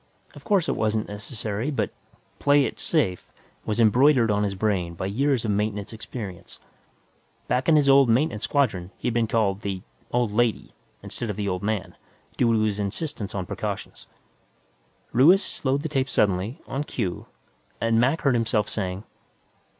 Of course it wasn't necessary, but "PLAY IT SAFE" was embroidered on his brain by years of maintenance experience; back in his old maintenance squadron, he'd been called "the old lady" instead of "the old man," due to his insistence on precautions. Ruiz slowed the tape suddenly, on cue, and Mac heard himself saying